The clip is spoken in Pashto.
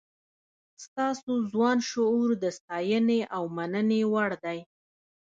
ستاسو ځوان شعور د ستاینې او مننې وړ دی.